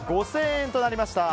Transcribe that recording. ５０００円となりました。